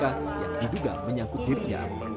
yang diduga menyangkut dirinya